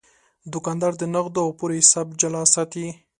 دوکاندار د نغدو او پور حساب جلا ساتي.